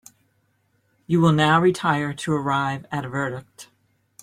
You will now retire to arrive at a verdict.